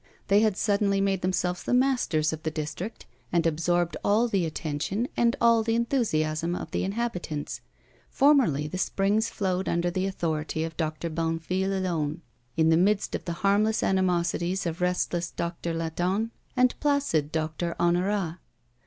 They had suddenly made themselves the masters of the district, and absorbed all the attention and all the enthusiasm of the inhabitants. Formerly the springs flowed under the authority of Doctor Bonnefille alone, in the midst of the harmless animosities of restless Doctor Latonne and placid Doctor Honorat.